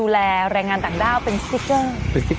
กล้วยทอด๒๐๓๐บาท